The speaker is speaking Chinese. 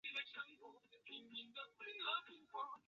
苞叶蓟为菊科蓟属的植物。